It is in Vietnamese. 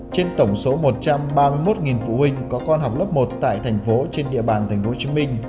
trên tổng số một trăm ba mươi một phụ huynh có con học lớp một tại thành phố trên địa bàn tp hcm